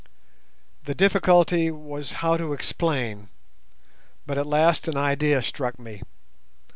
The difficulty was how to explain, but at last an idea struck me.